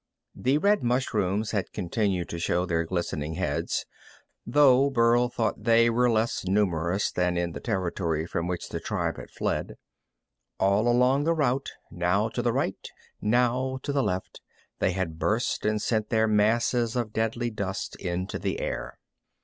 The red mushrooms had continued to show their glistening heads, though Burl thought they were less numerous than in the territory from which the tribe had fled. All along the route, now to the right, now to the left, they had burst and sent their masses of deadly dust into the air.